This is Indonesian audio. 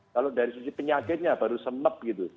kalau dari sisi penyakitnya baru semeb gitu